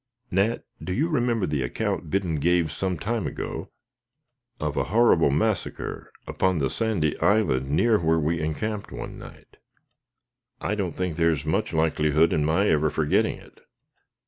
"Nat, do you remember the account Biddon gave some time ago of a horrible massacre, upon the sandy island near where we encamped one night?" "I don't think there is much likelihood of my ever forgetting it."